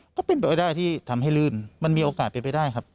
ก็เป็นไปได้ที่ทำให้ลื่นมันมีโอกาสเป็นไปได้ครับ